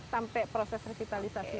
sampai proses resitalisasi